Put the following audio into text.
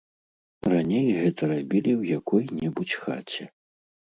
Раней гэта рабілі ў якой-небудзь хаце.